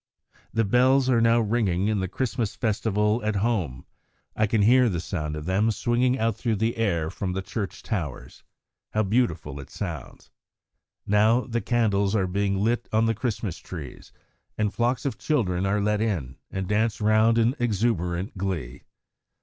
The bells are now ringing in the Christmas festival at home; I can hear the sound of them swinging out through the air from the church towers. How beautiful it sounds! Now the candles are being lit on the Christmas trees, and flocks of children are let in and dance round in exuberant glee.